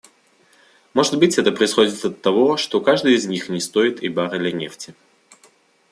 Может быть, это происходит оттого, что каждый из них не стоит и барреля нефти?